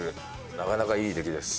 なかなかいい出来です。